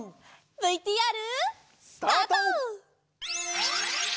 ＶＴＲ。スタート！